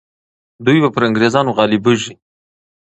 دوی به پر انګریزانو غالبیږي.